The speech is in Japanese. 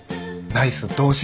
ナイス童心？